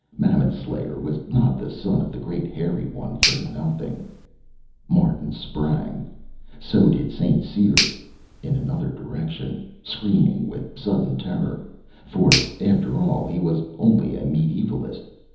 Mammoth Slayer was not the son of the Great Hairy One for nothing. Martin sprang. So did St. Cyr in another direction, screaming with sudden terror. For, after all, he was only a medievalist.